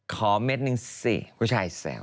เม็ดหนึ่งสิผู้ชายแสวม